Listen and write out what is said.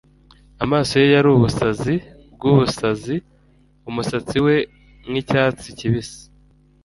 Amaso ye yari ubusazi bwubusazi, umusatsi we nkicyatsi kibisi,